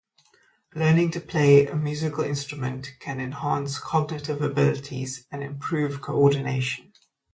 Learning to play a musical instrument can enhance cognitive abilities and improve coordination.